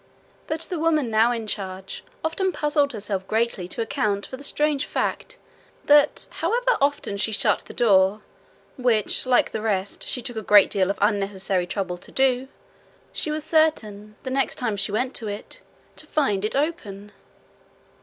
But the woman now in charge often puzzled herself greatly to account for the strange fact that however often she shut the door, which, like the rest, she took a great deal of unnecessary trouble to do, she was certain, the next time she went to it, to find it open.